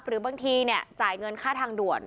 หรือบางทีจ่ายเงินค่าทางด่วน